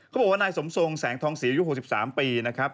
เขาบอกว่านายสมทรงแสงทองศรีอายุ๖๓ปีนะครับ